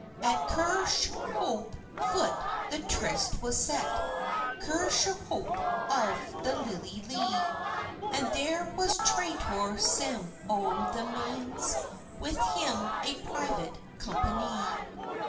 At Kershope foot the tryst was set, Kershope of the lilye lee; And there was traitour Sim o' the Mains, With him a private companie.